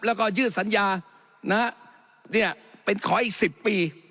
แล้วก็ยืดสัญญานะฮะเนี่ยเป็นขออีก๑๐ปี